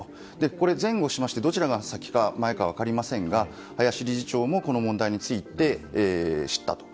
これ、前後しましてどちらが前か分かりませんが林理事長もこの問題について知ったと。